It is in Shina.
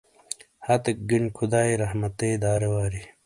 ہتیک گن خدائی رحمتیئ دارے واری۔